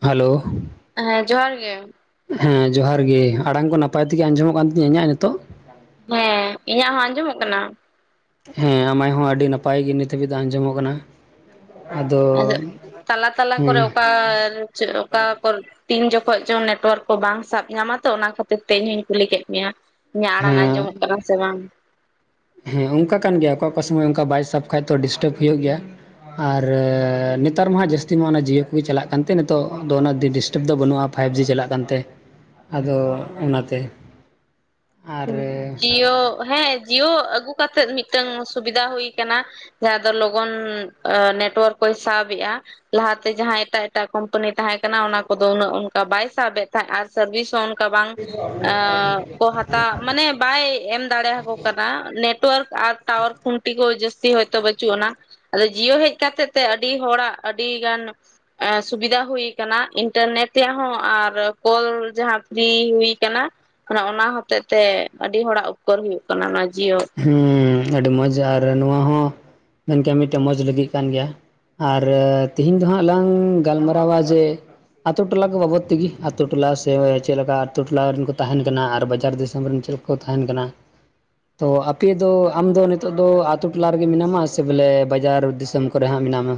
Hello! ᱦᱮᱸ, ᱡᱚᱦᱟᱨ ᱜᱮ ᱾ ᱦᱮᱸ ᱡᱚᱦᱟᱨ ᱜᱮ, ᱟᱲᱟᱝ ᱠᱚ ᱱᱟᱯᱟᱭ ᱛᱮᱜᱮ ᱟᱸᱡᱚᱢᱚᱜ ᱠᱟᱱ ᱛᱤᱧᱟᱹ ᱤᱧᱟᱹᱜ ᱱᱤᱛᱚᱜ? ᱦᱮᱸ, ᱤᱧᱟᱹᱜ ᱦᱚᱸ ᱟᱸᱡᱚᱢᱚᱜ ᱠᱟᱱᱟ? ᱦᱮᱸ ᱟᱢᱟᱭ ᱦᱚᱸ ᱟᱹᱰᱤ ᱱᱟᱯᱟᱭ ᱜᱮ ᱱᱤᱛ ᱦᱟᱹᱵᱤᱡ ᱫᱚ ᱟᱸᱡᱚᱢᱚᱜ ᱠᱟᱱᱟ᱾ ᱟᱫᱚ ᱛᱟᱞᱟ ᱛᱟᱞᱟ ᱠᱚᱨᱮ ᱦᱮᱸ ᱚᱠᱟ ᱨᱮᱪᱚ ᱚᱠᱟ ᱠᱚᱨᱮ ᱛᱤᱱ ᱡᱚᱠᱷᱚᱡ ᱪᱚ ᱱᱮᱴᱣᱟᱨᱠ ᱠᱚ ᱵᱟᱝ ᱥᱟᱵ ᱧᱟᱢᱟ ᱛᱚ ᱚᱱᱟ ᱠᱷᱟᱹᱛᱤᱨ ᱛᱮ ᱤᱧ ᱦᱚᱧ ᱠᱩᱞᱤ ᱠᱮᱫ ᱢᱮᱭᱟ᱾ ᱤᱧᱟᱹᱜ ᱟᱲᱟᱝ ᱦᱮᱸ ᱟᱸᱡᱚᱢᱚᱜ ᱠᱟᱱᱟ ᱥᱮ ᱵᱟᱝ? ᱦᱮᱸ, ᱚᱝᱠᱟ ᱠᱟᱱ ᱜᱮᱭᱟ ᱚᱠᱟ ᱚᱠᱟ ᱥᱚᱢᱚᱭ ᱚᱝᱠᱟ ᱵᱟᱭ ᱥᱟᱵ ᱠᱷᱟᱡ ᱛᱚ ᱰᱤᱥᱴᱟᱵ ᱦᱩᱭᱩᱜ ᱜᱮᱭᱟ ᱟᱨᱻ ᱱᱤ ᱛᱟᱨ ᱢᱟ ᱦᱟᱜ ᱡᱟᱹᱥᱛᱤ ᱢᱟ ᱚᱱᱟ ᱡᱤᱭᱳ ᱠᱚᱜᱮ ᱪᱟᱞᱟᱜ ᱠᱟᱱᱛᱮ ᱱᱤᱛᱚᱜ ᱫᱚ ᱚᱱᱟ ᱫᱤ ᱰᱤᱥᱴᱟᱵᱽ ᱫᱚ ᱵᱟᱹᱱᱩᱜᱼᱟ ᱯᱷᱟᱭᱤᱵ ᱡᱤ ᱪᱟᱞᱟᱜ ᱠᱟᱱᱛᱮ ᱟᱫᱚ ᱚᱱᱟᱛᱮ ᱾ ᱡᱤᱭᱳ! ᱦᱮᱸ ᱡᱤᱭᱳ ᱟᱹᱜᱩ ᱠᱟᱛᱮᱫ ᱢᱤᱫᱴᱟᱝ ᱥᱩᱵᱤᱫᱷᱟ ᱦᱩᱭ ᱟᱠᱟᱱᱟ᱾ ᱡᱟᱦᱟᱸ ᱫᱚ ᱞᱚᱜᱚᱱ ᱮᱸ ᱱᱮᱴᱣᱟᱨᱠ ᱠᱚᱭ ᱥᱟᱵ ᱮᱜᱼᱟ ᱾ ᱞᱟᱦᱟᱛᱮ ᱡᱟᱦᱟᱸᱭ ᱮᱴᱟᱜ ᱮᱴᱟᱜ ᱠᱳᱢᱯᱟᱱᱤ ᱛᱟᱦᱮᱸ ᱠᱟᱱᱟ ᱚᱱᱟ ᱠᱚᱫᱚ ᱩᱱᱟᱹᱜ ᱚᱱᱠᱟ ᱵᱟᱭ ᱥᱟᱵ ᱮᱫ ᱛᱟᱦᱮᱸᱫ ᱟᱨ ᱥᱟᱨᱵᱷᱤᱥ ᱦᱚᱸ ᱚᱱ ᱠᱟ ᱵᱟᱝ ᱟᱸᱻ ᱠᱚ ᱦᱟ ᱢᱟᱱᱮ ᱵᱟᱭ ᱮᱢ ᱫᱟᱲᱮ ᱦᱟᱠᱚ ᱠᱟᱱᱟ, ᱱᱮᱴᱣᱟᱨᱠ ᱟᱨ ᱴᱟᱣᱟᱨ ᱠᱷᱩᱱᱴᱤ ᱠᱚ ᱡᱟᱹᱥᱛᱤ ᱦᱚᱭᱛᱳ ᱵᱟᱹᱪᱩᱜ ᱟᱱᱟ ᱾ ᱟᱫᱚ ᱡᱤᱭᱳ ᱦᱮᱡ ᱠᱟᱛᱮᱫ ᱛᱮ ᱟᱹᱰᱤ ᱦᱚᱲᱟᱜ ᱟᱹᱰᱤ ᱜᱟᱱ ᱮᱸ ᱥᱩᱵᱤᱫᱷᱟ ᱦᱩᱭ ᱟᱠᱟᱱᱟ ᱤᱱᱴᱟᱨᱱᱮᱴ ᱨᱮᱭᱟᱜ ᱦᱚᱸ ᱟᱨ ᱠᱚᱞ ᱡᱟᱦᱟᱸ ᱯᱷᱨᱤ ᱦᱩᱭ ᱟᱠᱟᱱᱟ ᱾ ᱚᱱᱟ ᱦᱚᱛᱮᱜ ᱛᱮ ᱟᱹᱰᱤ ᱦᱚᱲᱟᱜ ᱩᱯᱠᱟᱹᱨ ᱦᱩᱭᱩᱜ ᱠᱟᱱᱟ ᱚᱱᱟ ᱡᱤᱭᱳ ᱾ ᱦᱩᱸᱻ ᱟᱹᱰᱤ ᱢᱚᱸᱡᱽ ᱟᱨ ᱱᱚᱣᱟ ᱦᱚᱸ ᱢᱮᱱᱠᱮᱜᱼᱟ ᱢᱤᱫᱴᱮᱜ ᱢᱚᱸᱡᱽ ᱞᱟᱹᱜᱤᱫ ᱠᱟᱱ ᱜᱮᱭᱟ᱾ ᱟᱨ ᱛᱤᱦᱤᱱ ᱫᱚ ᱦᱟᱸᱜ ᱞᱟᱝ ᱜᱟᱞᱢᱟᱨᱟᱣᱟ ᱡᱮ ᱟᱛᱳ ᱴᱚᱞᱟ ᱠᱚ ᱵᱟᱵᱚᱛ ᱛᱮᱜᱮ, ᱟᱛᱳ ᱴᱚᱞᱟ ᱥᱮ ᱪᱮᱫ ᱞᱮᱠᱟ, ᱟᱛᱳ ᱴᱚᱞᱟ ᱨᱮᱱ ᱠᱚ ᱛᱟᱦᱮᱱ ᱠᱟᱱᱟ ᱟᱨ ᱵᱟᱡᱟᱨ ᱫᱤᱥᱚᱢ ᱨᱮᱱ ᱪᱮᱫ ᱞᱮᱠᱟ ᱠᱚ ᱛᱟᱦᱮᱱ ᱠᱟᱱᱟ ᱾ ᱛᱚ ᱟᱯᱮ ᱫᱚ ᱟᱢ ᱫᱚ ᱱᱤᱛᱚᱜ ᱫᱚ ᱟᱛᱳ ᱴᱚᱞᱟ ᱨᱮᱜᱮ ᱢᱮᱱᱟᱢᱟ ᱥᱮ ᱵᱚᱞᱮ ᱵᱟᱡᱟᱨ ᱫᱤᱥᱚᱢ ᱠᱚᱨᱮ ᱦᱟᱸᱜ ᱢᱮᱱᱟᱢᱟ?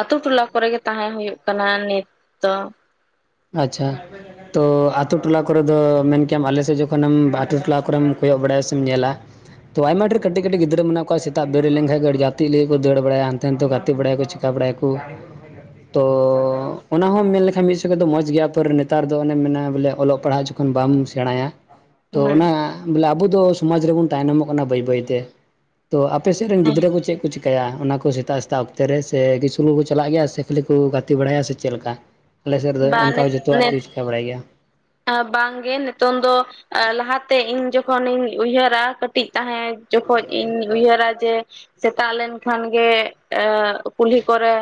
ᱟᱛᱳ ᱴᱚᱞᱟ ᱠᱚᱨᱮ ᱜᱮ ᱛᱟᱦᱮᱸ ᱦᱩᱭᱩᱜ ᱠᱟᱱᱟ ᱱᱤᱛ ᱫᱚ ᱾ ᱟᱪᱪᱷᱟ ᱾ ᱛᱚ ᱟᱛᱳ ᱴᱚᱞᱟ ᱠᱚᱨᱮ ᱫᱚ ᱢᱮᱱ ᱠᱮᱭᱟᱢ ᱟᱞᱮ ᱥᱮᱫ ᱡᱚᱠᱷᱚᱱᱮᱢ ᱟᱛᱳ ᱴᱚᱞᱟ ᱠᱚᱨᱮᱢ ᱠᱚᱭᱚᱜ ᱵᱟᱲᱟᱭᱟ ᱥᱮᱢ ᱧᱮᱞᱟ ᱛᱚ ᱟᱭᱢᱟ ᱰᱷᱮᱨ ᱠᱟᱹᱴᱤᱡ, ᱠᱟᱹᱴᱤᱡ ᱜᱤᱫᱽᱨᱟᱹ ᱢᱮᱱᱟᱜ ᱠᱚᱣᱟ ᱥᱮᱛᱟᱜ ᱫᱟᱹᱲ ᱞᱮᱱᱠᱷᱟᱱ ᱜᱟᱛᱮᱜ ᱠᱚ ᱫᱟᱹᱲ ᱵᱟᱲᱟᱭᱟ ᱦᱟᱱᱛᱮ ᱱᱟᱛᱮ ᱜᱟᱛᱮ ᱵᱟᱲᱟᱭ ᱟᱠᱚ ᱵᱟᱲᱟᱭ ᱟᱠᱚ ᱛᱚ ᱚᱱᱟ ᱦᱚᱸ ᱢᱮᱱ ᱢᱮᱱᱠᱷᱟᱱ ᱫᱚ ᱢᱚᱸᱡᱽ ᱜᱮᱭᱟ, ᱯᱚᱨ ᱱᱮᱛᱟᱨ ᱫᱚ ᱚᱱᱮᱢ ᱢᱮᱱᱟ ᱵᱚᱞᱮ ᱚᱞᱚᱜ ᱯᱟᱲᱦᱟᱜ ᱡᱚᱠᱷᱚᱱ ᱵᱟᱢ ᱥᱮᱬᱟᱭᱟ ᱛᱚ ᱦᱮᱸ ᱚᱱᱟ ᱵᱚᱞᱮ ᱟᱵᱚ ᱫᱚ ᱥᱚᱢᱟᱡᱽ ᱨᱮᱵᱚᱱ ᱛᱟᱭᱱᱚᱢᱚᱜ ᱠᱟᱱᱟ ᱵᱟᱹᱭ ᱵᱟᱹᱭᱛᱮ, ᱛᱚ ᱟᱯᱮ ᱥᱮᱫ ᱨᱮᱱ ᱜᱤᱫᱽᱨᱟᱹ ᱠᱚ ᱪᱮᱫ ᱠᱚ ᱪᱤ ᱪᱤᱠᱟᱹᱭᱟ, ᱚᱱᱟ ᱠᱚ ᱥᱮᱛᱟᱜ ᱥᱮᱛᱟᱜ ᱚᱠᱛᱮ ᱨᱮ ᱥᱮ ᱥᱠᱩᱞ ᱠᱚ ᱪᱟᱞᱟᱜ ᱜᱮᱭᱟ ᱥᱮ ᱠᱷᱟᱹᱞᱤ ᱠᱚ ᱜᱟᱛᱮ ᱵᱟᱲᱟᱭᱟ ᱥᱮ ᱪᱮᱫ ᱞᱮᱠᱟ? ᱟᱞᱮᱥᱮᱫ ᱨᱮᱫᱚ ᱵᱟ ᱚᱱᱠᱟ ᱡᱚᱛᱚᱣᱟᱜ ᱠᱚ ᱪᱤᱠᱟᱹ ᱵᱟᱲᱟᱭ ᱜᱮᱭᱟ ᱾ ᱵᱟᱝ ᱜᱮ ᱱᱤᱛᱚᱝ ᱫᱚ ᱞᱟᱦᱟᱛᱮ ᱤᱧ ᱡᱚᱠᱷᱚᱱᱤᱧ ᱩᱭᱦᱟᱹᱨᱟ ᱠᱟᱹᱴᱤᱡ ᱛᱟᱦᱮᱸ ᱡᱚᱠᱷᱚᱡ ᱤᱧ ᱩᱭᱦᱟᱹᱨᱟ ᱡᱮ ᱥᱮᱛᱟᱜ ᱞᱮᱱᱠᱷᱟᱱ ᱜᱮ ᱠᱩᱞᱦᱤ ᱠᱚᱨᱮ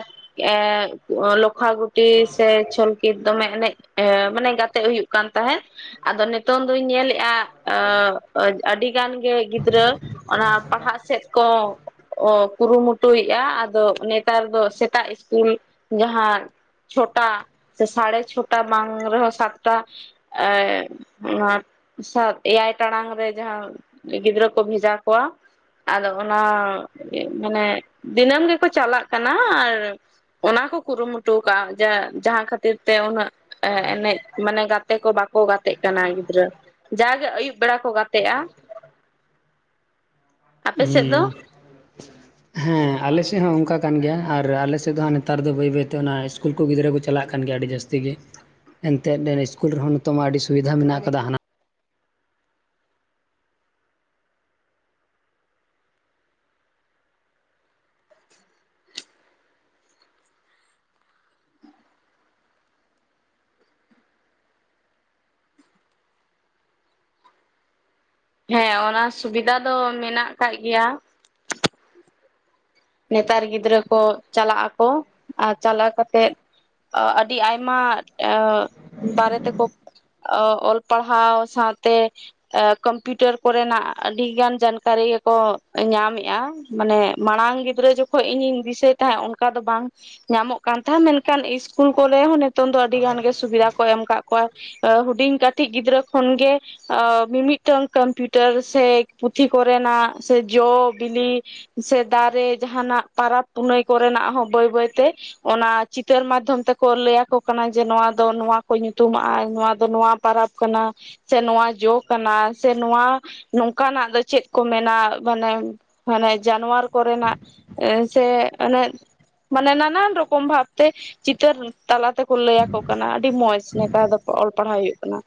ᱚ ᱞᱚᱠᱷᱷᱟ ᱜᱩᱴᱤ ᱥᱮ ᱠᱤ ᱫᱚᱢᱮ ᱮᱱᱮᱡ ᱢᱟᱱᱮ ᱜᱟᱛᱮᱜ ᱦᱩᱭᱩᱜ ᱠᱟᱱ ᱛᱟᱦᱮᱸᱫ, ᱟᱫᱚ ᱱᱤᱛᱚᱝ ᱫᱩᱧ ᱧᱮᱞᱮᱫᱼᱟ ᱟᱹᱰᱤ ᱜᱟᱱ ᱜᱮ ᱜᱤᱫᱽᱨᱟᱹ ᱚᱱᱟ ᱯᱟᱲᱦᱟᱜ ᱥᱮᱫ ᱠᱚ ᱚ ᱠᱩᱨᱩ ᱢᱩᱴᱩᱭᱮᱫᱼᱟ᱾ ᱟᱫᱚ ᱱᱮᱛᱟᱨ ᱫᱚ ᱥᱮᱛᱟᱜ ᱥᱠᱩᱞ ᱡᱟᱦᱟᱸ ᱪᱷᱚᱴᱟ ᱥᱮ ᱥᱟᱲᱮ ᱪᱷᱚᱴᱟ ᱵᱟᱝ ᱨᱮᱦᱚᱸ ᱥᱟᱛᱴᱟ ᱚᱱᱟ ᱮᱭᱟᱭ ᱴᱟᱲᱟᱝ ᱨᱮ ᱡᱟᱦᱟᱸ ᱜᱤᱫᱽᱨᱟᱹ ᱠᱚ ᱵᱷᱮᱡᱟ ᱠᱚᱣᱟ ᱾ ᱟᱫᱚ ᱚᱱᱟ ᱢᱟᱱᱮ ᱫᱤᱱᱟᱹᱢ ᱜᱮᱠᱚ ᱪᱟᱞᱟᱜ ᱠᱟᱱᱟ ᱟᱨ ᱚᱱᱟ ᱠᱚ ᱠᱩᱨᱩᱢᱩᱴᱩ ᱟᱠᱟᱜ-ᱟ ᱡᱮ ᱡᱟᱦᱟᱸ ᱠᱷᱟᱹᱛᱤᱨ ᱛᱮ ᱩᱱᱟᱹᱜ ᱮ ᱮᱱᱮᱡ ᱢᱟᱱᱮ ᱜᱟᱛᱮ ᱠᱚ ᱵᱟᱠᱚ ᱜᱟᱛᱮᱜ ᱠᱟᱱᱟ ᱜᱤᱫᱽᱨᱟᱹ ᱡᱟᱜᱮ ᱟᱹᱭᱩᱵ ᱵᱮᱲᱟ ᱠᱚ ᱜᱟᱛᱮᱜᱼᱟ ᱾ ᱦᱮᱸ ᱾ ᱦᱮᱸ ᱟᱞᱮ ᱥᱮᱫ ᱦᱚᱸ ᱚᱱᱠᱟ ᱠᱟᱱ ᱜᱮᱭᱟ᱾ ᱟᱨ ᱟᱞᱮ ᱥᱮᱫ ᱫᱚ ᱦᱟᱸᱜ ᱱᱮᱛᱟᱨ ᱫᱚ ᱵᱟᱹᱭ ᱵᱟᱹᱭᱛᱮ ᱚᱱᱟ ᱥᱠᱩᱞ ᱠᱚ ᱜᱤᱫᱽᱨᱟᱹ ᱠᱚ ᱪᱟᱞᱟᱜ ᱠᱟᱱ ᱜᱮᱭᱟ ᱟᱹᱰᱤ ᱡᱟᱹᱥᱛᱤ ᱜᱮ ᱾ ᱮᱱᱛᱮᱫ ᱤᱥᱠᱩᱞ ᱨᱮᱦᱚᱸ ᱱᱤᱛᱚᱜ ᱢᱟ ᱟᱹᱰᱤ ᱥᱩᱵᱤᱫᱷᱟ ᱢᱮᱱᱟᱜ ᱟᱠᱟᱫᱟ ᱦᱟᱱᱟ ᱦᱮᱸ ᱚᱱᱟ ᱥᱩᱵᱤᱫᱷᱟ ᱫᱚ ᱢᱮᱱᱟᱜ ᱠᱟᱜ ᱜᱮᱭᱟ ᱾ ᱱᱮᱛᱟᱨ ᱜᱤᱫᱽᱨᱟᱹ ᱠᱚ ᱪᱟᱞᱟᱜ ᱟᱠᱚ ᱟᱨ ᱪᱟᱞᱟᱣ ᱠᱟᱛᱮᱜ ᱟᱹᱰᱤ ᱟᱭᱢᱟ ᱵᱟᱨᱮ ᱛᱮᱠᱚ ᱚᱞ ᱯᱟᱲᱦᱟᱣ ᱥᱟᱶᱛᱮ ᱠᱚᱢᱯᱤᱭᱩᱴᱟᱨ ᱠᱚᱨᱮᱱᱟᱜ ᱟᱹᱰᱤ ᱜᱟᱱ ᱡᱟᱱᱠᱟᱨᱤ ᱜᱮ ᱠᱚ ᱧᱟᱢᱮᱜᱼᱟ, ᱢᱟᱱᱮ ᱢᱟᱲᱟᱝ ᱜᱮ ᱜᱤᱫᱽᱨᱟᱹ ᱡᱚᱠᱷᱚᱡ ᱤᱧ, ᱤᱧ ᱫᱤᱥᱟᱹᱭ ᱛᱟᱦᱮᱸᱫ ᱚᱱᱠᱟ ᱫᱚ ᱵᱟᱝ ᱾ ᱧᱟᱢᱚᱜ ᱠᱟᱱ ᱛᱟᱦᱮᱸ, ᱢᱮᱱᱠᱷᱟᱱ ᱤᱥᱠᱩᱞ ᱠᱚᱨᱮ ᱦᱚᱸ ᱱᱤᱛᱚᱝ ᱫᱚ ᱟᱹᱰᱤ ᱜᱟᱱ ᱜᱮ ᱥᱩᱵᱤᱫᱷᱟ ᱠᱚ ᱮᱢ ᱠᱟᱜ ᱠᱚᱣᱟ ᱾ ᱦᱩᱰᱤᱧ ᱠᱟᱹᱴᱤᱡ ᱜᱤᱫᱽᱨᱟᱹ ᱠᱷᱚᱱ ᱜᱮ ᱢᱤᱼᱢᱤᱫ ᱴᱟᱝ ᱠᱚᱢᱯᱤᱭᱩᱴᱟᱨ ᱥᱮ ᱯᱩᱛᱷᱤ ᱠᱚᱨᱮᱱᱟᱜ ᱥᱮ ᱡᱚ, ᱵᱤᱞᱤ ᱥᱮ ᱫᱟᱨᱮ ᱡᱟᱦᱟᱸᱱᱟᱜ ᱯᱟᱨᱟᱵᱽ ᱯᱩᱱᱟᱹᱭ ᱠᱚᱨᱮᱱᱟᱜ ᱦᱚᱸ ᱵᱟᱹᱭ, ᱵᱟᱹᱭ ᱛᱮ ᱾ ᱚᱱᱟ ᱪᱤᱛᱟᱹᱨ ᱢᱟᱫᱫᱷᱚᱢ ᱛᱮ ᱠᱚ ᱞᱟᱹᱭ ᱟᱠᱚ ᱠᱟᱱᱟ ᱡᱮ ᱱᱚᱣᱟ ᱫᱚ ᱱᱚᱣᱟ ᱠᱚ ᱧᱩᱛᱩᱢᱟᱜᱼᱟ, ᱱᱚᱣᱟ ᱫᱚ ᱱᱚᱣᱟ ᱯᱟᱨᱟᱵᱽ ᱠᱟᱱᱟ ᱾ ᱥᱮ ᱱᱚᱣᱟ ᱡᱚ ᱠᱟᱱᱟ ᱥᱮ ᱱᱚᱣᱟ ᱱᱚᱝᱠᱟ ᱱᱟᱜ ᱫᱚ ᱪᱮᱫ ᱠᱚ ᱢᱮᱱᱟ ᱢᱟᱱᱮ ᱢᱟᱱᱮ ᱡᱟᱱᱣᱟᱨ ᱠᱚ ᱨᱮᱱᱟᱜ ᱥᱮ ᱚᱱᱮ ᱢᱟᱱᱮ ᱱᱟᱱᱟᱱ ᱨᱚᱠᱚᱢ ᱵᱷᱟᱵᱽ ᱛᱮ ᱪᱤᱛᱟᱹᱨ ᱛᱟᱞᱟ ᱛᱮ ᱠᱚ ᱞᱟᱹᱭ ᱟᱠᱚ ᱠᱟᱱᱟ ᱟᱹᱰᱤ ᱢᱚᱸᱡᱽ ᱱᱮᱛᱟᱨ ᱫᱚ ᱠᱚ ᱚᱞ ᱯᱟᱲᱦᱟᱣ ᱦᱩᱭᱩᱜ ᱠᱟᱱᱟ᱾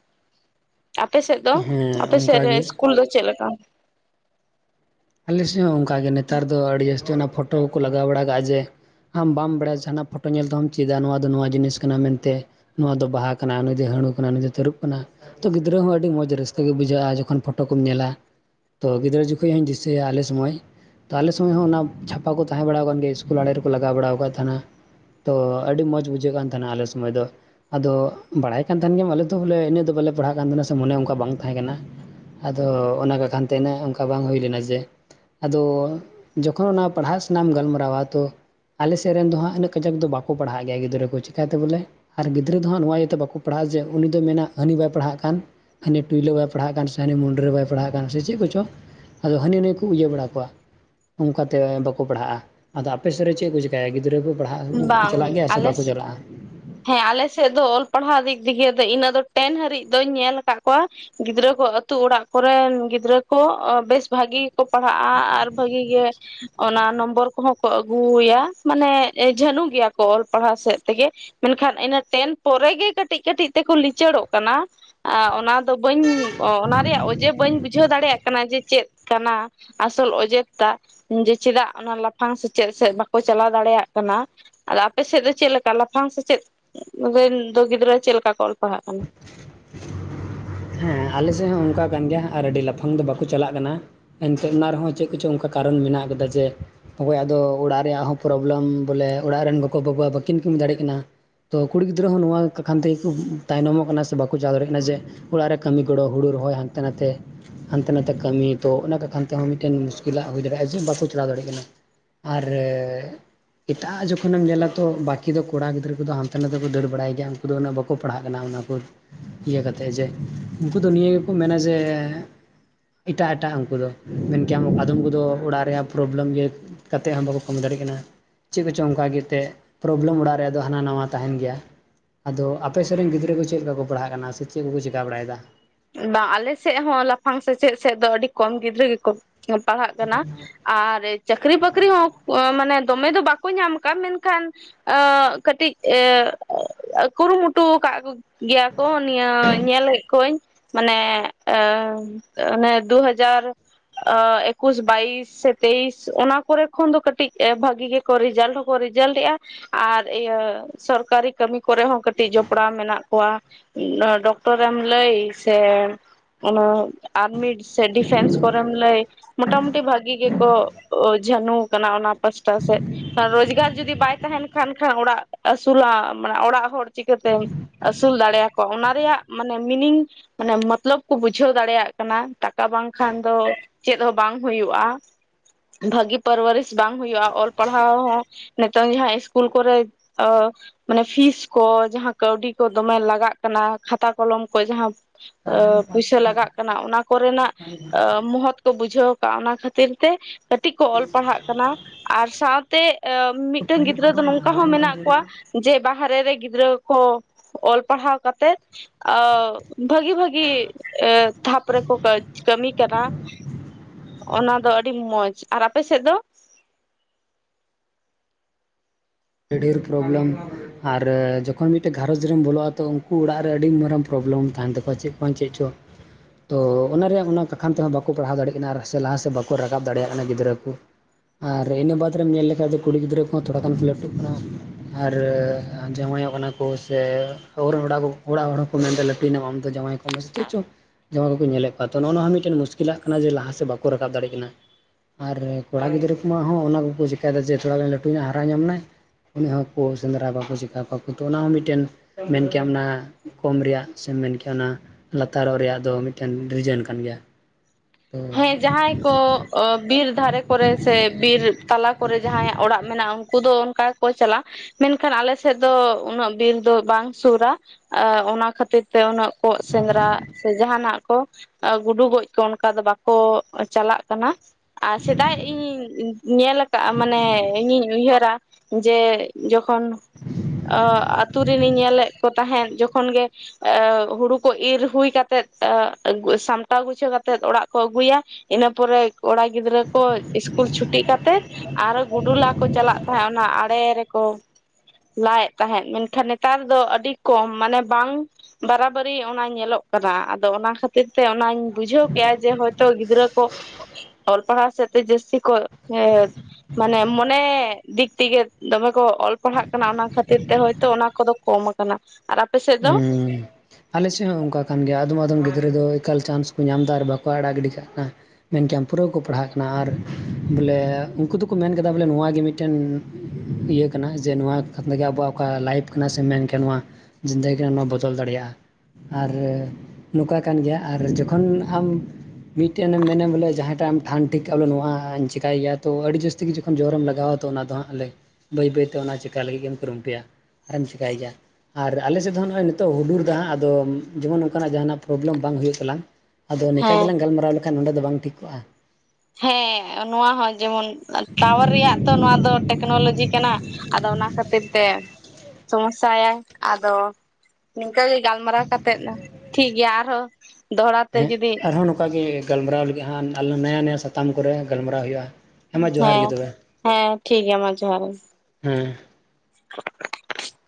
ᱟᱯᱮ ᱥᱮᱜ ᱫᱚ ᱦᱮᱸ ᱟᱯᱮ ᱥᱮᱫ ᱨᱮ ᱚᱱᱠᱟᱜᱮ ᱤᱥᱠᱩᱞ ᱫᱚ ᱪᱮᱫ ᱞᱮᱠᱟ? ᱟᱞᱮ ᱥᱮᱡ ᱦᱚᱸ ᱚᱱᱠᱟ ᱜᱮ ᱱᱮᱛᱟᱨ ᱫᱚ ᱟᱹᱰᱤ ᱡᱟᱹᱥᱛᱤ ᱚᱱᱟ ᱯᱷᱳᱴᱳ ᱠᱚ ᱠᱚ ᱞᱟᱜᱟᱣ ᱵᱟᱲ ᱠᱟᱜ-ᱟ ᱡᱮ ᱟᱢ ᱵᱟᱢ ᱵᱟᱲᱟᱭᱟ ᱡᱟᱦᱟᱸᱱᱟᱜ ᱯᱷᱳᱴᱳ ᱧᱮᱞ ᱛᱮᱦᱚᱢ ᱪᱮᱫᱟ ᱱᱚᱣᱟ ᱫᱚ ᱱᱚᱣᱟ ᱡᱤᱱᱤᱥ ᱠᱟᱱᱟ ᱢᱮᱱ ᱛᱮ᱾ ᱱᱚᱣᱟ ᱫᱚ ᱵᱟᱦᱟ ᱠᱟᱱᱟ ᱱᱩᱭ ᱫᱚᱭ ᱦᱟᱬᱩ ᱠᱟᱱᱟ ᱱᱩᱭ ᱫᱚᱭ ᱛᱟᱹᱨᱩᱵ ᱠᱟᱱᱟ, ᱛᱚ ᱜᱤᱫᱽᱨᱟᱹ ᱦᱚᱸ ᱟᱹᱰᱤ ᱢᱚᱸᱡᱽ ᱨᱟᱹᱥᱠᱟᱹ ᱜᱮ ᱵᱩᱡᱷᱟᱹᱜ-ᱟ ᱡᱚᱠᱷᱚᱱ ᱯᱷᱳᱴᱳ ᱠᱚᱢ ᱧᱮᱞᱟ ᱛᱚ ᱜᱤᱫᱽᱨᱟᱹ ᱡᱚᱠᱷᱚᱡ ᱦᱚᱸᱧ ᱫᱤᱥ ᱥᱟᱹᱭᱟ ᱟᱞᱮ ᱥᱚᱢᱚᱭ ᱛᱚ ᱟᱞᱮ ᱥᱩᱢᱚᱭ ᱦᱚᱸ ᱚᱱᱟ ᱪᱷᱟᱯᱟ ᱠᱚ ᱛᱟᱦᱮᱸ ᱵᱟᱲᱟᱣ ᱠᱟᱱ ᱜᱮᱭᱟ ᱤᱥᱠᱩᱞ ᱟᱲᱮ ᱨᱮ ᱠᱚ ᱞᱟᱜᱟᱣ ᱵᱟᱲᱟᱣ ᱟᱠᱟᱫ ᱛᱟᱦᱮᱸᱱᱟ, ᱛᱚ ᱟᱹᱰᱤ ᱢᱚᱸᱡᱽ ᱵᱩᱡᱷᱟᱹᱜ ᱠᱟᱱ ᱛᱟᱦᱮᱸᱱᱟ ᱟᱞᱮ ᱥᱚᱢᱚᱭ ᱫᱚ᱾ ᱟᱫᱚ ᱵᱟᱲᱟᱭ ᱠᱟᱱ ᱛᱟᱦᱮᱸᱱ ᱜᱮᱭᱟᱢ ᱟᱞᱮ ᱫᱚ ᱵᱚᱞᱮ ᱤᱱᱟᱹᱜ ᱫᱚ ᱵᱟᱞᱮ ᱯᱟᱲᱦᱟᱜ ᱠᱟᱱ ᱛᱟᱦᱮᱸᱱᱟ ᱥᱮ ᱢᱚᱱᱮ ᱚᱱᱠᱟ ᱵᱟᱝ ᱛᱟᱦᱮᱸ ᱠᱟᱱᱟ, ᱟᱫᱚ ᱚᱱᱟ ᱠᱚ ᱠᱷᱟᱱ ᱛᱮ ᱤᱱᱟᱹᱜ ᱚᱱᱠᱟ ᱵᱟᱝ ᱦᱩᱭ ᱞᱮᱱᱟ ᱡᱮ ᱟᱫᱚ ᱡᱚᱠᱷᱚᱱ ᱚᱱᱟ ᱯᱟᱲᱦᱟᱜ ᱥᱮᱱᱟᱜ ᱮᱢ ᱜᱟᱞᱢᱟᱨᱟᱣᱟ ᱛᱚ ᱟᱞᱮ ᱥᱮᱜ ᱨᱮᱱ ᱫᱚ ᱦᱟᱸᱜ ᱩᱱᱟᱹᱜ ᱠᱟᱡᱟᱠ ᱫᱚ ᱵᱟᱠᱚ ᱯᱟᱲᱦᱟᱜ ᱜᱮᱭᱟ ᱜᱤᱫᱽᱨᱟᱹ ᱠᱚ ᱪᱤᱠᱟ ᱛᱮ ᱵᱚᱞᱮ? ᱟᱨ ᱜᱤᱫᱽᱨᱟᱹ ᱫᱚ ᱦᱟᱸᱜ ᱱᱚᱣᱟ ᱤᱭᱟᱹ ᱛᱮ ᱵᱟᱠᱚ ᱯᱟᱲᱦᱟᱜ-ᱟ ᱡᱮ ᱩᱱᱤ ᱫᱚᱭ ᱢᱮᱱᱟ ᱦᱟᱹᱱᱤ ᱵᱟᱭ ᱯᱟᱲᱦᱟᱜ ᱠᱷᱟᱱ᱾ ᱦᱟᱱᱤ ᱴᱩᱭᱞᱟᱹ ᱵᱟᱭ ᱯᱟᱲᱦᱟᱜ ᱠᱟᱱ ᱥᱮ ᱦᱟᱱᱤ ᱢᱩᱱᱰᱨᱟᱹ ᱵᱟᱭ ᱯᱟᱲᱦᱟᱜ ᱠᱟᱱ ᱥᱮ ᱪᱮᱫ ᱠᱚᱪᱚ, ᱟᱫᱚ ᱦᱟᱹᱱᱤ ᱱᱟᱹᱭ ᱠᱩ ᱤᱭᱟᱹ ᱵᱟᱲᱟ ᱠᱚᱣᱟ᱾ ᱚᱱᱠᱟ ᱛᱮ ᱵᱟᱠᱚ ᱯᱟᱲᱦᱟᱜ-ᱟ, ᱟᱫᱚ ᱟᱯᱮ ᱥᱮᱫ ᱨᱮ ᱪᱮᱫ ᱠᱚ ᱪᱤᱠᱟᱹᱭᱟ ᱜᱤᱫᱽᱨᱟᱹ ᱠᱩ? ᱯᱟᱲᱦᱟᱜ ᱠᱚ ᱪᱟᱞᱟᱜ ᱵᱟᱝ ᱜᱮᱭᱟ ᱥᱮ ᱟᱞᱮ ᱵᱟᱠᱚ ᱪᱟᱞᱟᱜ-ᱟ? ᱦᱮᱸ ᱟᱞᱮ ᱥᱮᱫ ᱫᱚ ᱚᱞ ᱯᱟᱲᱦᱟᱜ ᱫᱤᱠ ᱫᱤᱠᱮ ᱫᱚ ᱤᱱᱟᱹᱜ ᱫᱚ ᱴᱮᱱ ᱦᱟᱹᱨᱤᱡ ᱫᱚᱧ ᱧᱮᱞ ᱠᱟᱫ ᱠᱚᱣᱟ ᱜᱤᱫᱽᱨᱟᱹ ᱠᱚ ᱟᱹᱛᱩ ᱚᱲᱟᱜ ᱠᱚᱨᱮᱱ ᱜᱤᱫᱽᱨᱟᱹ ᱠᱚ ᱵᱮᱥ ᱵᱷᱟᱹᱜᱤ ᱜᱮ ᱠᱚ ᱯᱟᱲᱦᱟᱜ-ᱟ ᱟᱨ ᱵᱷᱟᱹᱜᱤ ᱜᱮ ᱚᱱᱟ ᱱᱚᱢᱵᱚᱨ ᱠᱚᱦᱚᱸ ᱠᱚ ᱟᱹᱜᱩᱭᱟ ᱢᱟᱱᱮ ᱡᱷᱟᱹᱱᱩ ᱜᱮᱭᱟ ᱠᱚ ᱚᱞ ᱯᱟᱲᱦᱟᱣ ᱥᱮᱫ ᱛᱮ ᱜᱮ᱾ ᱢᱮᱱᱠᱷᱟᱱ ᱤᱱᱟᱹ ᱴᱮᱱ ᱯᱚᱨᱮ ᱜᱮ ᱠᱟᱹᱴᱤᱡ ᱠᱟᱹᱴᱤᱡ ᱛᱮ ᱠᱚ ᱞᱤᱪᱟᱹᱲᱚᱜ ᱠᱟᱱᱟ ᱟ ᱚᱱᱟ ᱫᱚ ᱵᱟᱹᱧ ᱚᱱᱟ ᱨᱮᱭᱟᱜ ᱚᱡᱮ ᱵᱟᱹᱧ ᱵᱩᱡᱷᱟᱹᱣ ᱫᱟᱲᱮᱭᱟᱜ ᱠᱟᱱᱟ ᱡᱮ ᱪᱮᱫ ᱠᱟᱱᱟ ᱟᱥᱚᱞ ᱚᱡᱮ ᱴᱟᱜ ᱡᱮ ᱪᱮᱫᱟᱜ ᱚᱱᱟ ᱞᱟᱯᱷᱟᱝ ᱥᱮᱪᱮᱫ ᱥᱮᱫ ᱵᱟᱠᱚ ᱪᱟᱞᱟᱣ ᱫᱟᱲᱮᱭᱟᱜ ᱠᱟᱱᱟ ᱟᱫᱚ ᱟᱯᱮ ᱥᱮᱫ ᱫᱚ ᱪᱮᱫ ᱞᱮᱠᱟ ᱞᱟᱯᱷᱟᱝ ᱥᱮᱪᱮᱫ? ᱨᱮᱱ ᱫᱚ ᱜᱤᱫᱽᱨᱟᱹ ᱪᱮᱫ ᱞᱮᱠᱟ ᱠᱚ ᱚᱞ ᱯᱟᱲᱦᱟᱜ ᱠᱟᱱᱟ? ᱦᱮᱸ ᱟᱞᱮ ᱥᱮᱡ ᱦᱚᱸ ᱚᱱᱠᱟ ᱠᱟᱱ ᱜᱮᱭᱟ ᱟᱨ ᱟᱹᱰᱤ ᱞᱟᱯᱷᱟᱝ ᱫᱚ ᱵᱟᱠᱚ ᱪᱟᱞᱟᱜ ᱠᱟᱱᱟ᱾ ᱮᱱᱛᱮ ᱚᱱᱟ ᱨᱮᱦᱚᱸ ᱪᱮᱫ ᱠᱚᱪᱚ ᱚᱱᱠᱟ ᱠᱟᱨᱚᱱ ᱢᱮᱱᱟᱜ ᱠᱟᱫᱟ ᱡᱮ ᱠᱚᱣᱟᱜ ᱫᱚ ᱚᱲᱟᱜ ᱨᱮᱭᱟᱜ ᱦᱚᱸ ᱯᱨᱚᱵᱞᱮᱢ ᱵᱚᱞᱮ ᱚᱲᱟᱜ ᱨᱮᱱ ᱜᱚᱜᱚ ᱵᱟᱵᱟ ᱵᱟᱹᱠᱤᱱ ᱠᱟᱹᱢᱤ ᱫᱟᱲᱮᱜ ᱠᱟᱱᱟ᱾ ᱛᱚ ᱠᱩᱲᱤ ᱜᱤᱫᱽᱨᱟᱹ ᱦᱚᱸ ᱱᱚᱣᱟ ᱠᱟ ᱠᱷᱟᱱ ᱛᱮᱜᱮ ᱠᱤ ᱛᱟᱭᱱᱚᱢᱚᱜ ᱠᱟᱱᱟ ᱥᱮ ᱵᱟᱠᱚ ᱪᱟᱞᱟᱣ ᱫᱟᱲᱮᱭᱟᱜ ᱠᱟᱱᱟ ᱡᱮ ᱚᱲᱟᱜ ᱨᱮ ᱠᱟᱹᱢᱤ ᱜᱚᱲᱚ ᱦᱩᱲᱩ ᱨᱚᱦᱚᱭ ᱦᱟᱱᱛᱮ ᱱᱟᱛᱮ, ᱦᱟᱱᱛᱮ ᱱᱟᱛᱮ ᱠᱟᱹᱢᱤ ᱛᱚ ᱚᱱᱟ ᱠᱟ ᱠᱷᱟᱱ ᱛᱮᱦᱚᱸ ᱢᱤᱫ ᱴᱮᱱ ᱢᱩᱥᱠᱤᱞᱟᱜ ᱦᱩᱭ ᱫᱟᱲᱮᱜ ᱟ ᱡᱮ ᱵᱟᱠᱚ ᱪᱟᱞᱟᱣ ᱫᱟᱲᱮᱜ ᱠᱟᱱᱟ᱾ ᱟᱨᱻ ᱮᱴᱟᱜ ᱟᱜ ᱡᱚᱠᱷᱚᱱᱮᱢ ᱧᱮᱟ ᱛᱚ ᱵᱟᱹᱠᱤ ᱫᱚ ᱠᱚᱲᱟ ᱜᱤᱫᱽᱨᱟᱹ ᱠᱚᱫᱚ ᱦᱟᱱᱛᱮ ᱱᱟᱛᱮ ᱠᱚ ᱫᱟᱹᱲ ᱵᱟᱲᱟᱭ ᱜᱮᱭᱟ ᱩᱱᱠᱩ ᱫᱚ ᱩᱱᱟᱹᱜ ᱵᱟᱠᱚ ᱯᱟᱲᱦᱟᱜ, ᱠᱟᱱ ᱚᱱᱟ ᱠᱚ ᱤᱭᱟᱹ ᱠᱟᱛᱮᱜ ᱡᱮ ᱩᱱᱠᱩ ᱫᱚ ᱱᱤᱭᱟᱹ ᱜᱮᱠᱚ ᱢᱮᱱᱟ ᱡᱮ, ᱮᱴᱟᱜ ᱮᱴᱟᱜ ᱩᱱᱠᱩ ᱫᱚ ᱢᱮᱱᱠᱮᱭᱟᱢ ᱟᱫᱚᱢ ᱠᱚᱫᱚ ᱚᱲᱟᱜ ᱨᱮᱭᱟᱜ ᱯᱨᱚᱵᱞᱮᱢ ᱜᱮ ᱠᱟᱛᱮᱜ ᱦᱚᱸ ᱵᱟᱠᱚ ᱠᱟᱹᱢᱤ ᱫᱟᱲᱮᱜ ᱠᱟᱱᱟ᱾ ᱪᱮᱫ ᱠᱚᱪᱚᱝ ᱚᱱᱠᱟ ᱜᱮᱛᱮ ᱯᱨᱚᱵᱞᱮᱢ ᱚᱲᱟᱜ ᱨᱮᱭᱟᱜ ᱫᱚ ᱦᱟᱱᱟ ᱱᱟᱣᱟ ᱛᱟᱦᱮᱸᱱ ᱜᱮᱭᱟ, ᱟᱫᱚ ᱟᱯᱮ ᱥᱮ ᱟᱛᱳᱨᱮ ᱨᱮᱱ ᱜᱤᱫᱽᱨᱟᱹ ᱠᱚ ᱪᱮᱫ ᱞᱮᱠᱟ ᱠᱚ ᱯᱟᱲᱦᱟᱜ ᱠᱟᱱᱟ ᱥᱮ ᱪᱮᱫ ᱠᱚ ᱪᱤᱠᱟᱹ ᱵᱟᱲᱟᱭᱫᱟ? ᱵᱟ ᱟᱞᱮ ᱥᱮᱜ ᱦᱚᱸ ᱞᱟᱯᱷᱟᱝ ᱥᱮᱪᱮᱫ ᱥᱮᱫ ᱫᱚ ᱟᱹᱰᱤ ᱠᱚᱢ ᱜᱤᱫᱽᱨᱟᱹ ᱜᱮᱠᱚ ᱚᱞ ᱯᱟᱲᱦᱟᱜ ᱠᱟᱱᱟ, ᱟᱨ ᱪᱟᱹᱠᱨᱤ ᱵᱟᱹᱠᱨᱤ ᱦᱚᱸ ᱢᱟᱱᱮ ᱫᱚᱢᱮ ᱫᱚ ᱵᱟᱠᱚ ᱧᱟᱢ ᱠᱟᱜ-ᱟ, ᱢᱮᱱᱠᱷᱟᱱ ᱟᱹᱜ ᱠᱟᱹᱴᱤᱡ ᱠᱩᱨᱩᱢᱩᱴᱩᱣ ᱠᱟᱜ-ᱟ ᱠᱚ ᱜᱮᱭᱟ ᱠᱚ ᱱᱤᱭᱟᱹ ᱧᱮᱞᱮᱫ ᱠᱩᱣᱟᱹᱧ᱾ ᱢᱟᱱᱮ ᱟᱸ ᱚᱱᱮ ᱫᱩ ᱦᱟᱡᱟᱨ ᱟᱸ ᱮᱠᱩᱥ ᱵᱟᱭᱤᱥ ᱥᱮ ᱛᱮᱭᱤᱥ ᱚᱱᱟ ᱠᱚᱨᱮ ᱠᱷᱚᱱ ᱫᱚ ᱠᱟᱹᱴᱤᱡ ᱮ ᱵᱷᱟᱹᱜᱤ ᱜᱮ ᱠᱚ ᱨᱤᱡᱟᱞᱴ ᱦᱚᱸᱠᱚ ᱨᱤᱡᱟᱞᱴᱮᱜᱼᱟ᱾ ᱟᱨ ᱤᱭᱟᱹ ᱥᱚᱨᱠᱟᱨᱤ ᱠᱟᱹᱢᱤ ᱠᱚᱨᱮ ᱦᱚᱸ ᱠᱟᱹᱴᱤᱡ ᱡᱚᱯᱲᱟᱣ ᱢᱮᱱᱟᱜ ᱠᱚᱣᱟ᱾ ᱱᱚᱣᱟ ᱰᱚᱠᱴᱚᱨ ᱨᱮᱢ ᱞᱟᱹᱭ ᱥᱮ ᱚᱱᱟ ᱟᱨᱢᱤ ᱥᱮ ᱰᱤᱯᱷᱮᱱᱥ ᱠᱚᱨᱮᱢ ᱞᱟᱹᱭ ᱢᱚᱴᱟᱢᱩᱴᱤ ᱵᱷᱟᱹᱜᱤ ᱜᱮᱠᱚ ᱡᱷᱟᱹᱱᱩ ᱟᱠᱟᱱᱟ ᱚᱱᱟ ᱯᱟᱥᱴᱟ ᱥᱮᱫ ᱟᱨ ᱨᱳᱡᱽᱜᱟᱨ ᱡᱩᱫᱤ ᱵᱟᱭ ᱛᱟᱦᱮᱱ ᱠᱷᱟᱱ ᱠᱷᱟᱡ ᱚᱲᱟᱜ ᱟᱹᱥᱩᱞᱚᱜ ᱟᱢ ᱢᱟᱱᱮ ᱚᱲᱟᱜ ᱦᱚᱲ ᱪᱤᱠᱟᱹᱛᱮᱢ ᱟᱹᱥᱩᱞ ᱫᱟᱲᱮᱭ ᱟᱠᱚᱣᱟ ᱚᱱᱟ ᱨᱮᱭᱟᱜ ᱢᱟᱱᱮ ᱢᱤᱱᱤᱝ ᱢᱟᱱᱮ ᱢᱚᱛᱞᱚᱵᱽ ᱠᱚ ᱵᱩᱡᱷᱟᱹᱣ ᱫᱟᱲᱮᱭᱟᱜ ᱠᱟᱱᱟ᱾ ᱴᱟᱠᱟ ᱵᱟᱝᱠᱷᱟᱱ ᱫᱚ ᱪᱮᱫ ᱦᱚᱸ ᱵᱟᱝ ᱦᱩᱭᱩᱜᱼᱟ᱾ ᱵᱷᱟᱹᱜᱤ ᱯᱟᱨᱣᱟᱨᱤᱥ ᱵᱟᱝ ᱦᱩᱭᱩᱜᱼᱟ ᱚᱞ ᱯᱟᱲᱦᱟᱣ ᱦᱚᱸ ᱱᱤᱛᱚᱝ ᱡᱟᱦᱟᱸ ᱤᱥᱠᱩᱞ ᱠᱚᱨᱮ ᱟ ᱚᱱᱮ ᱯᱷᱤᱥ ᱠᱚ ᱡᱟᱦᱟᱸ ᱠᱟᱹᱣᱰᱤ ᱠᱚ ᱫᱚᱢᱮ ᱞᱟᱜᱟᱜ ᱠᱟᱱᱟ᱾ ᱠᱷᱟᱛᱟ ᱠᱚᱞᱚᱢ ᱠᱚ ᱡᱟᱦᱟᱸ ᱟ ᱯᱩᱭᱥᱟᱹ ᱞᱟᱜᱟᱜ ᱠᱟᱱᱟ᱾ ᱚᱱᱟ ᱠᱚᱨᱮᱱᱟᱜ ᱟᱹᱢ ᱢᱚᱦᱚᱛ ᱠᱚ ᱵᱩᱡᱷᱟᱹᱣ ᱟᱠᱟᱫᱼᱟ ᱚᱱᱟ ᱠᱷᱟᱹᱛᱤᱨ ᱛᱮ ᱠᱟᱹᱴᱤᱡ ᱠᱚ ᱚᱞ ᱯᱟᱲᱦᱟᱜ ᱠᱟᱱᱟ᱾ ᱟᱨ ᱥᱟᱶᱛᱮ ᱟᱹᱢ ᱢᱤᱫᱴᱮᱱ ᱜᱤᱫᱽᱨᱟᱹ ᱫᱚ ᱱᱚᱝᱠᱟ ᱦᱚᱸ ᱢᱮᱱᱟᱜ ᱠᱚᱣᱟ ᱡᱮ ᱵᱟᱦᱨᱮ ᱨᱮ ᱜᱤᱫᱽᱨᱟᱹ ᱠᱚ ᱚᱞ ᱯᱟᱲᱦᱟᱣ ᱠᱟᱛᱮᱜ ᱟᱹ ᱵᱷᱟᱹᱜᱤᱼᱵᱷᱟᱹᱜᱤ ᱮ ᱫᱷᱟᱯ ᱨᱮᱠᱚ ᱠᱟᱹᱡᱽ ᱠᱟᱹᱢᱤ ᱠᱟᱱᱟ᱾ ᱚᱱᱟ ᱫᱚ ᱟᱹᱰᱤ ᱢᱚᱸᱡᱽ ᱟᱨ ᱟᱯᱮ ᱥᱮᱫ ᱫᱚ? ᱟᱹᱰᱤᱼᱟᱹᱰᱤ ᱯᱨᱚᱵᱞᱮᱢ [unintelligible] ᱟᱨ ᱡᱚᱠᱷᱚᱱ ᱢᱤᱫᱴᱮᱱ ᱜᱷᱟᱨᱚᱸᱡᱽ ᱨᱮᱢ ᱵᱚᱞᱚᱜᱼᱟ ᱛᱚ ᱩᱱᱠᱩ ᱚᱲᱟᱜ ᱨᱮ ᱟᱹᱰᱤ ᱢᱟᱨᱟᱝ ᱯᱨᱚᱵᱞᱮᱢ ᱛᱟᱦᱮᱱ ᱛᱟᱠᱚᱣᱟ᱾ ᱪᱮᱫ ᱠᱷᱚᱱ ᱪᱮᱫ ᱪᱚᱝ ᱛᱚ ᱚᱱᱟ ᱨᱮᱭᱟᱝ ᱚᱱᱟ ᱠᱟᱠᱷᱟᱱ ᱛᱮᱦᱚᱸ ᱵᱟᱠᱚ ᱯᱟᱲᱦᱟᱣ ᱫᱟᱲᱮᱭᱟᱜ ᱠᱟᱱᱟ ᱦᱮᱸ ᱥᱮ ᱟᱨ ᱞᱟᱦᱟ ᱥᱮᱫ ᱵᱟᱠᱚ ᱨᱟᱠᱟᱵᱽ ᱫᱟᱲᱮᱭᱟᱜ ᱠᱟᱱᱟ ᱜᱤᱫᱽᱨᱟᱹ ᱠᱚ ᱟᱨ ᱤᱱᱟᱹ ᱵᱟᱫᱽ ᱨᱮᱢ ᱧᱮᱞ ᱞᱮᱠᱷᱟᱡ ᱫᱚ ᱠᱩᱲᱤ ᱜᱤᱫᱽᱨᱟᱹ ᱠᱚᱦᱚᱸ ᱛᱷᱚᱲᱟ ᱜᱟᱱ ᱞᱟᱹᱴᱩᱜ ᱠᱟᱱᱟ᱾ ᱟᱨ ᱡᱟᱶᱟᱭᱚᱜ ᱠᱟᱱᱟ ᱠᱚ ᱥᱮ ᱚᱵᱚᱨᱮᱱ ᱚᱲᱟᱜ ᱠᱚ ᱚᱲᱟᱜ ᱦᱚᱲ ᱦᱚᱸᱠᱚ ᱢᱮᱱᱛᱮ ᱫᱟ ᱞᱟᱹᱴᱩᱭᱮᱱᱟᱢ ᱟᱢ ᱫᱚ ᱡᱟᱶᱟᱭ [unintelligible] ᱪᱮᱫ ᱪᱚᱝ ᱡᱟᱶᱟᱭ ᱠᱚᱠᱚ ᱧᱮᱞᱮᱫ ᱠᱚᱣᱟ ᱛᱚ ᱱᱚᱜᱼᱚᱭ ᱱᱚᱣᱟ ᱢᱤᱫᱴᱮᱱ ᱢᱩᱥᱠᱤᱞᱟᱜ ᱠᱟᱱᱟ ᱡᱮ ᱞᱟᱦᱟᱥᱮᱫ ᱵᱟᱠᱚ ᱨᱟᱠᱟᱵᱽ ᱫᱟᱲᱮᱜ ᱠᱟᱱᱟ᱾ ᱟᱨ ᱠᱚᱲᱟ ᱜᱤᱫᱽᱨᱟᱹ ᱠᱚᱢᱟ ᱦᱚᱸ ᱚᱱᱟ ᱠᱚᱠᱚ ᱪᱮᱠᱟᱭ ᱫᱟ ᱡᱮ ᱛᱷᱚᱲᱟ ᱜᱟᱱ ᱞᱟᱹᱴᱩ ᱧᱚᱜ ᱦᱟᱨᱟ ᱧᱟᱢ ᱱᱟᱭ ᱩᱱᱤ ᱦᱚᱸᱠᱚ ᱥᱮᱸᱫᱽᱨᱟ ᱠᱚᱣᱟ ᱠᱚ ᱪᱮᱠᱟ ᱠᱚᱣᱟ ᱠᱚ, ᱛᱚ ᱚᱱᱟ ᱦᱚᱸ ᱢᱤᱫᱴᱮᱱ ᱢᱮᱱ ᱠᱮᱭᱟᱢ ᱚᱱᱟ ᱠᱚᱢ ᱨᱮᱭᱟᱜ ᱥᱮᱢ ᱢᱮᱱ ᱠᱮᱭᱟ ᱚᱱᱟ ᱞᱟᱛᱟᱨᱚᱜ ᱨᱮᱭᱟᱜ ᱫᱚ ᱢᱤᱫᱴᱮᱱ ᱨᱤᱡᱟᱹᱱ ᱠᱟᱱ ᱜᱮᱭᱟ᱾ ᱛᱚ ᱦᱮᱸ ᱡᱟᱦᱟᱸᱭ ᱠᱚ ᱚ ᱵᱤᱨ ᱫᱷᱟᱨᱮ ᱠᱚᱨᱮ ᱥᱮ ᱵᱤᱨ ᱛᱟᱞᱟ ᱠᱚᱨᱮ ᱡᱟᱦᱟᱸᱭᱟᱜ ᱚᱲᱟᱜ ᱢᱮᱱᱟᱜᱼᱟ ᱩᱱᱠᱩ ᱫᱚ ᱚᱱᱠᱟ ᱜᱮᱠᱚ ᱪᱟᱞᱟᱜ ᱢᱮᱱᱠᱷᱟᱱ ᱟᱞᱮ ᱥᱮᱫ ᱫᱚ ᱩᱱᱟᱹᱜ ᱵᱤᱨ ᱫᱚ ᱵᱟᱝ ᱥᱩᱨᱟ ᱟ ᱚᱱᱟ ᱠᱷᱟᱹᱛᱤᱨ ᱛᱮ ᱩᱱᱟᱹᱜ ᱠᱚᱸᱜ ᱥᱮᱸᱫᱽᱨᱟ ᱥᱮ ᱡᱟᱦᱟᱸᱱᱟᱜ ᱠᱚ ᱟ ᱜᱩᱰᱩ ᱜᱚᱡ ᱠᱚ ᱚᱱᱠᱟ ᱫᱚ ᱵᱟᱠᱚ ᱪᱟᱞᱟᱜ ᱠᱟᱱᱟ᱾ ᱟᱨ ᱥᱮᱫᱟᱭ ᱤᱧᱤᱧ ᱧᱮᱞ ᱟᱠᱟᱫᱼᱟ ᱢᱟᱱᱮ ᱤᱧᱤᱧ ᱩᱭᱦᱟᱹᱨᱟ ᱡᱮ ᱡᱚᱠᱷᱚᱱ ᱟ ᱟᱹᱛᱩ ᱨᱤᱱᱤᱧ ᱧᱮᱞᱮᱫ ᱠᱚ ᱛᱟᱦᱮᱸᱫ ᱡᱚᱠᱷᱚᱱ ᱜᱮ ᱮ ᱦᱩᱲᱩ ᱠᱚ ᱤᱨ ᱦᱩᱭ ᱠᱟᱛᱮᱫ ᱮ ᱜᱚᱡ ᱥᱟᱢᱴᱟᱣ ᱜᱩᱪᱷᱟᱹᱣ ᱠᱟᱛᱮᱫ ᱚᱲᱟᱜ ᱠᱚ ᱟᱹᱜᱩᱭᱟ ᱤᱱᱟᱹ ᱯᱚᱨᱮ ᱠᱚᱲᱟ ᱜᱤᱫᱽᱨᱟᱹ ᱠᱚ ᱤᱥᱠᱩᱞ ᱪᱷᱩᱴᱤᱜ ᱠᱟᱛᱮᱫ ᱟᱨᱚ ᱜᱩᱰᱩ ᱞᱟ ᱠᱚ ᱪᱟᱞᱟᱜ ᱛᱟᱦᱮᱸᱫ ᱚᱱᱟ ᱟᱲᱮ ᱨᱮᱠᱚ ᱞᱟᱭᱮᱫ ᱛᱟᱦᱮᱸᱫ ᱢᱮᱱᱠᱷᱟᱱ ᱱᱮᱛᱟᱨ ᱫᱚ ᱟᱹᱰᱤ ᱠᱚᱢ ᱢᱟᱱᱮ ᱵᱟᱝ ᱵᱟᱨᱟᱵᱟᱨᱤ ᱚᱱᱟ ᱧᱮᱞᱚᱜ ᱠᱟᱱᱟ᱾ ᱟᱫᱚ ᱚᱱᱟ ᱠᱷᱟᱹᱛ ᱠᱷᱟᱹᱛᱤᱨ ᱛᱮ ᱚᱱᱟᱧ ᱵᱩᱡᱷᱟᱹᱣ ᱠᱮᱜᱼᱟ ᱡᱮ ᱦᱳᱭᱛᱚ ᱜᱤᱫᱽᱨᱟᱹ ᱠᱚ ᱚᱞ ᱯᱟᱲᱦᱟᱣ ᱥᱮᱫ ᱛᱮ ᱡᱟᱹᱥᱛᱤ ᱠᱚᱜ ᱪᱮᱥ ᱢᱟᱱᱮ ᱢᱚᱱᱮ ᱫᱤᱠ ᱛᱮᱜᱮ ᱫᱚᱢᱮ ᱠᱚ ᱚᱞ ᱯᱟᱲᱦᱟᱜ ᱠᱟᱱᱟ ᱚᱱᱟ ᱠᱷᱟᱹᱛᱤᱨ ᱛᱮ ᱦᱳᱭᱛᱚ ᱚᱱᱟ ᱠᱚᱫᱚ ᱠᱚᱢ ᱟᱠᱟᱱᱟ ᱟᱨ ᱟᱯᱮ ᱥᱮᱫ ᱫᱚ ᱦᱩᱸ ᱟᱞᱮ ᱥᱮᱫ ᱦᱚᱸ ᱚᱱᱠᱟ ᱠᱟᱱ ᱜᱮᱭᱟ, ᱟᱫᱚᱢ ᱟᱫᱚᱢ ᱜᱤᱫᱽᱨᱟᱹ ᱫᱚ ᱮᱠᱟᱞ ᱪᱟᱱᱥ ᱠᱚ ᱧᱟᱢ ᱮᱫᱟ, ᱟᱨ ᱵᱟᱠᱚ ᱟᱲᱟᱜ ᱜᱤᱰᱤ ᱠᱟᱜ ᱠᱟᱱᱟ᱾ ᱢᱮᱱ ᱠᱮᱭᱟ ᱯᱩᱨᱟᱹᱠᱚ ᱯᱟᱲᱦᱟᱜ ᱠᱟᱱᱟ ᱟᱨ ᱵᱚᱞᱮ ᱩᱱᱠᱩ ᱫᱩᱠᱩ ᱢᱮᱱ ᱠᱮᱫᱟ ᱵᱚᱞᱮ ᱱᱚᱣᱟ ᱜᱤ ᱢᱤᱫᱴᱮᱱ ᱤᱭᱟᱹ ᱠᱟᱱᱟ᱾ ᱡᱮ ᱱᱚᱣᱟ ᱟᱵᱚᱣᱟᱜ ᱚᱠᱟ ᱞᱟᱭᱤᱯᱷ ᱠᱟᱱᱟ ᱥᱮ ᱢᱮᱱ ᱠᱮ ᱱᱚᱣᱟ, ᱡᱤᱱᱫᱟᱹᱜᱤ ᱨᱮ ᱚᱱᱟ ᱵᱚᱫᱚᱞ ᱫᱟᱲᱮᱭᱟᱜᱼᱟ᱾ ᱟᱨ ᱱᱚᱝᱠᱟ ᱠᱟᱱ ᱜᱮᱭᱟ ᱟᱨ ᱡᱚᱠᱷᱚᱱ ᱟᱢ ᱢᱤᱫᱴᱮᱱ ᱮᱢ ᱢᱮᱱᱟᱢ ᱵᱚᱞᱮ ᱡᱟᱦᱟᱸᱭᱴᱟᱜ ᱮᱢ ᱴᱷᱟᱱ ᱴᱷᱤᱠ ᱠᱟᱜ ᱵᱚᱞ ᱱᱚᱣᱟ ᱪᱤᱠᱟᱭᱮᱭᱟ ᱛᱚ ᱟᱹᱰᱤ ᱡᱟᱹᱥᱛᱤ ᱜᱮ ᱡᱚᱠᱷᱚᱱ ᱡᱚᱨ ᱨᱮᱢ ᱞᱟᱜᱟᱣᱟ ᱛᱚ ᱚᱱᱟ ᱫᱚ ᱦᱟᱸᱜ ᱟᱞᱮ ᱵᱟᱹᱭ ᱵᱟᱹᱭᱛᱮ ᱚᱱᱟ ᱪᱤᱠᱟ ᱞᱟᱹᱜᱤᱫ ᱜᱮᱢ ᱠᱩᱨᱩᱢᱩᱴᱩᱭᱟ᱾ ᱟᱨᱮᱢ ᱪᱤᱠᱟᱭ ᱜᱮᱭᱟ᱾ ᱟᱨ ᱟᱞᱮ ᱥᱮᱫ ᱦᱚᱸ ᱱᱚᱜᱼᱚᱭ ᱱᱤᱛᱚᱜ ᱦᱩᱰᱩᱨ ᱮᱫᱟ, ᱦᱟᱸᱜ ᱟᱫᱚ ᱡᱮᱢᱚᱱ ᱱᱚᱱᱠᱟᱱᱟᱜ ᱡᱟᱦᱟᱱᱟᱜ ᱯᱨᱚᱵᱽᱞᱮᱢ ᱵᱟᱝ ᱦᱩᱭᱩᱜ ᱛᱟᱞᱟᱝ᱾ ᱟᱫᱚ ᱱᱮᱠᱟ ᱦᱮᱸ ᱜᱮᱞᱟᱝ ᱜᱟᱞᱢᱟᱨᱟᱣ ᱞᱮᱠᱷᱟᱱ ᱱᱚᱸᱰᱮ ᱫᱚ ᱵᱟᱝ ᱴᱷᱤᱠ ᱠᱚᱜᱼᱟ? ᱦᱮᱸ ᱱᱚᱣᱟ ᱦᱚᱸ ᱡᱮᱢᱚᱱ ᱴᱟᱣᱟᱨ ᱨᱮᱭᱟᱜ ᱛᱚ ᱱᱚᱣᱟ ᱫᱚ ᱴᱮᱠᱱᱳᱞᱚᱡᱤ ᱠᱟᱱᱟ᱾ ᱟᱫᱚ ᱚᱱᱟ ᱠᱷᱟᱹᱛᱤᱨ ᱛᱮ ᱥᱚᱢᱚᱥᱥᱟᱭᱟ ᱟᱫᱚ ᱱᱤᱝᱠᱟᱹ ᱜᱮ ᱜᱟᱞᱢᱟᱨᱟᱣ ᱠᱟᱛᱮᱫ ᱴᱷᱤᱠ ᱜᱮᱭᱟ ᱟᱨᱦᱚᱸ ᱫᱚᱦᱲᱟ ᱛᱮ ᱦᱮᱸ ᱡᱩᱫᱤ ᱟᱨᱦᱚᱸ ᱱᱚᱝᱠᱟ ᱜᱮ ᱜᱟᱞᱢᱟᱨᱟᱣ ᱞᱟᱹᱜᱤᱫ ᱦᱟᱸᱜ ᱟᱞᱮ ᱱᱟᱭᱟ ᱱᱟᱣᱟ ᱥᱟᱛᱟᱢ ᱠᱚᱨᱮ ᱜᱟᱞᱢᱟᱨᱟᱣ ᱦᱩᱭᱩᱜᱼᱟ᱾ ᱢᱟ ᱡᱚᱦᱟᱨ ᱦᱮᱸ ᱜᱮ ᱛᱚᱵᱮ ᱦᱮᱸ ᱴᱷᱤᱠ ᱜᱮᱭᱟ ᱢᱟ ᱡᱚᱦᱟᱨ ᱜᱮ᱾ ᱦᱮᱸ, [inaudible]